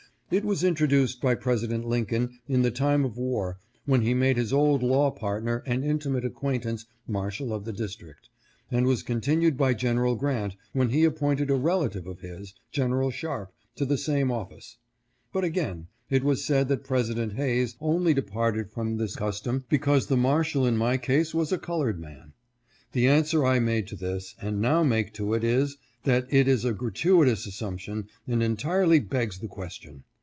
It was introduced by Presi dent Lincoln in the time of war when he made his old law partner and intimate acquaintance Marshal of the Dis trict, and was continued by Gen. Grant when he appointed a relative of his, Gen. Sharp, to the same office. But again, it was said that President Hayes only departed from this custom because the Marshal in my case was a colored man. The answer I made to this, and now make to it, is, that it is a gratuitous assumption and entirely begs the question.